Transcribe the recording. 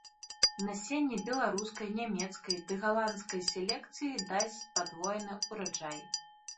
Насенне беларускай, нямецкай ды галандскай селекцыі дасць падвойны ўраджай.